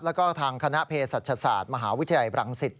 แล้วก็ทางคณะเพศศาสตร์มหาวิทยาลัยบรังสิต